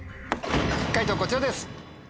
解答こちらです。